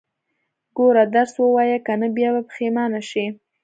ګوره، درس ووايه، که نه بيا به پښيمانه شې.